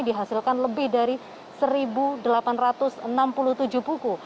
dihasilkan lebih dari satu delapan ratus enam puluh tujuh buku